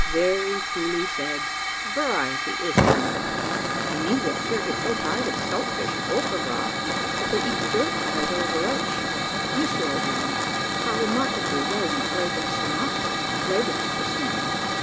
"Very truly said. Variety is charming. The negroes here get so tired of salt fish and occra broth, that they eat dirt by way of a relish. Mr O'Brien, how remarkably well you played that sonata of Pleydel's this morning."